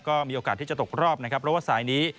ก็มีโอกาสที่จะตกรอบนะครับเพราะว่าสายนี้